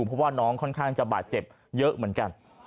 เพราะว่าน้องค่อนข้างจะบาดเจ็บเยอะเหมือนกัน